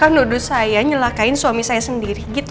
kaka nodo saya nyelakain suami saya sendiri gitu